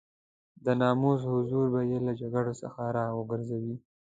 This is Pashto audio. د ناموس حضور به يې له جګړو څخه را وګرځوي.